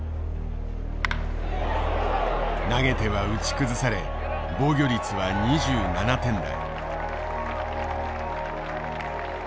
投げては打ち崩され防御率は２７点台。